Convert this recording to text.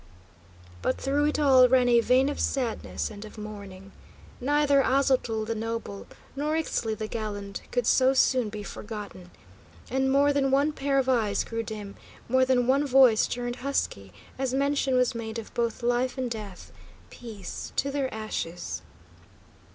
But throughout it all ran a vein of sadness and of mourning. Neither Aztotl the noble, nor Ixtli the gallant, could so soon be forgotten. And more than one pair of eyes grew dim, more than one voice turned husky, as mention was made of both life and death, peace to their ashes!